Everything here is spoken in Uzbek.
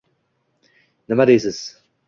Nima deysiz?